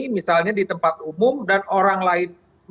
misalnya di tempat umum dan orang lain